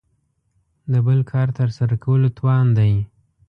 د بل کار تر سره کولو توان دی.